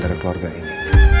dari keluarga ini